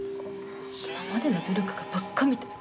今までの努力がバッカみたい。